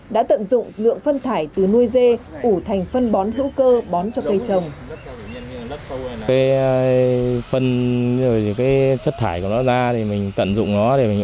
đã tận dụng lượng phân thải từ nuôi dê ủ thành phân bón hữu cơ bón cho cây trồng